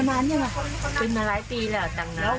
เป็นมานานไงเป็นมาแรกปีแล้วจากนั้น